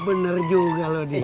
bener juga lo dia